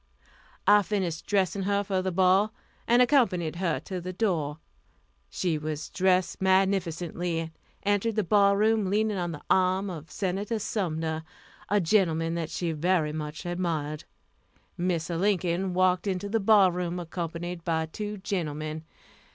I finished dressing her for the ball, and accompanied her to the door. She was dressed magnificently, and entered the ball room leaning on the arm of Senator Sumner, a gentleman that she very much admired. Mr. Lincoln walked into the ball room accompanied by two gentlemen.